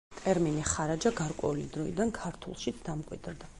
ტერმინი ხარაჯა გარკვეული დროიდან ქართულშიც დამკვიდრდა.